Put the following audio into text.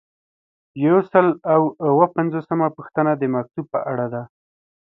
یو سل او اووه پنځوسمه پوښتنه د مکتوب په اړه ده.